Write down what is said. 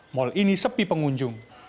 mal ini sepi pengunjung